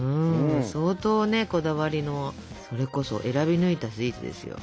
相当ねこだわりのそれこそ選び抜いたスイーツですよ。